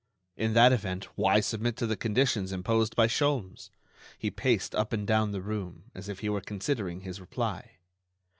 In that event, why submit to the conditions imposed by Sholmes? He paced up and down the room, as if he were considering his reply.